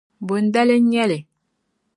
Bondali n-nyɛli?